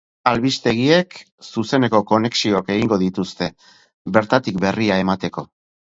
Albistegiek zuzeneko konexioak egingo dituzte bertatik berri emateko.